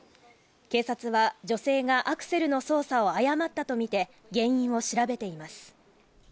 警察は女性がアクセルの操作を誤ったとみて原因を調べています。